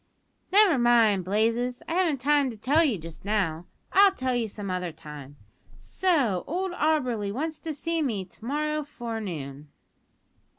"Never mind, Blazes. I haven't time to tell you just now. I'll tell you some other time. So old Auberly wants to see me to morrow forenoon?"